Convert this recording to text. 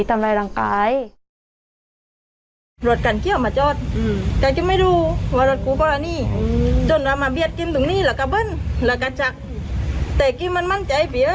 ตรงนี้ละกะเบิ้ลละกะจากแต่กิมมันมั่นใจเบี้ย